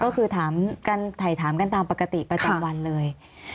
ก็คือถามกันถ่ายถามกันตามปกติประจำวันเลย